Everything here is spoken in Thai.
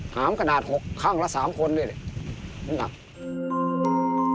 หามกระดาษ๖ครั้งละ๓คนเลยหนัก